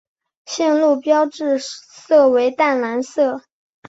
线路标志色为淡蓝色。